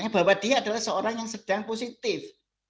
bahwa dia adalah seorang yang sedang positif